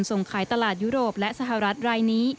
ส่งขายตลาดยุโรปและสหรัฐรายนี้